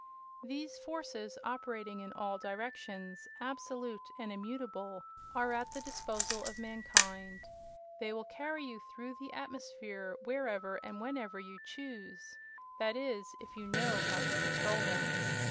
"These forces, operating in all directions, absolute and immutable, are at the disposal of mankind. They will carry you through the atmosphere wherever and whenever you choose. That is, if you know how to control them.